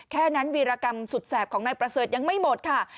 แค่นั้นวีรกรรมสุดแสบของนายประเสริฐยังไม่หมดค่ะ